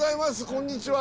こんにちは。